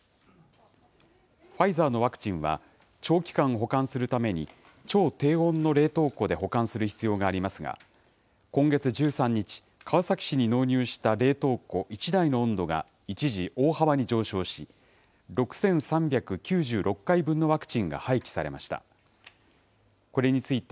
ファイザーのワクチンは、長期間保管するために、超低温の冷凍庫で保管する必要がありますが、今月１３日、川崎市に納入した冷凍庫１台の温度が一時大幅に上昇し、６３９６回分のワクチンが廃棄されました。